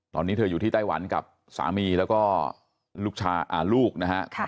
ตอนนี้เธออยู่ที่ไต้หวันกับสามีแล้วก็ลูกนะฮะ